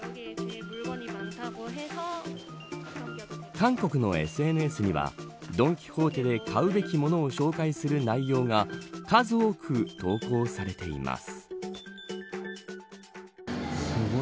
韓国のＳＮＳにはドン・キホーテで買うべきものを紹介する内容が数多く投稿されています。